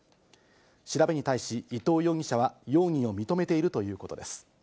調べに対し、伊藤容疑者は容疑を認めているということです。